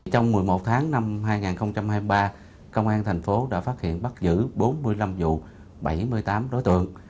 trong một mươi một tháng năm hai nghìn hai mươi ba công an thành phố đã phát hiện bắt giữ bốn mươi năm vụ bảy mươi tám đối tượng